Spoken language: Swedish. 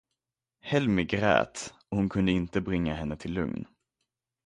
Helmi grät, och hon kunde inte bringa henne till lugn.